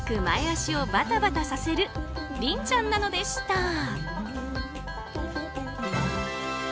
前脚をバタバタさせるりんちゃんなのでした。